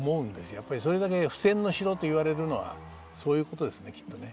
やっぱりそれだけ不戦の城と言われるのはそういうことですねきっとね。